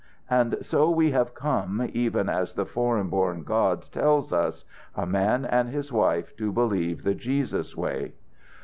"And so we have come, even as the foreign born God tells us, a man and his wife, to believe the Jesus way."